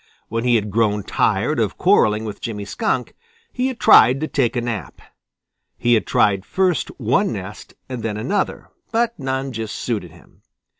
When he had grown tired of quarreling with Jimmy Skunk, he had tried to take a nap. He had tried first one nest and then another, but none just suited him.